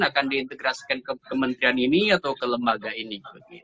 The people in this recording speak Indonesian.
akan di integrasikan ke kementrian ini atau ke lembaga ini